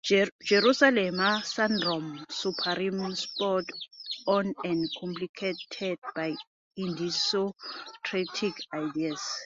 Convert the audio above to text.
Jerusalem syndrome superimposed on and complicated by idiosyncratic ideas.